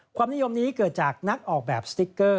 ความนิยมนี้เกิดจากนักออกแบบสติ๊กเกอร์